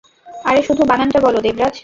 আরে শুধু বানানটা বলো, দেবরাজ।